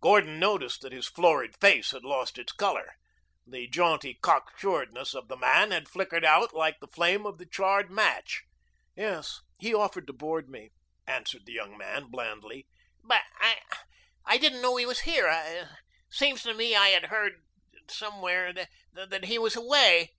Gordon noticed that his florid face had lost its color. The jaunty cock sureness of the man had flickered out like the flame of the charred match. "Yes. He offered to board me," answered the young man blandly. "But I didn't know he was here seems to me I had heard somewhere that he was away."